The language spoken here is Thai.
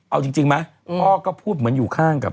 เอาจริงไหมพ่อก็พูดเหมือนอยู่ข้างกับ